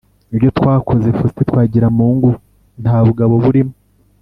Ibyo wakoze, Faustin Twagiramungu, nta bugabo burimo.